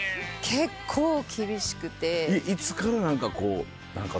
結構厳しくて。